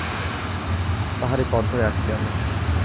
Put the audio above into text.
পাহাড়ি পথ ধরে আসছি আমি।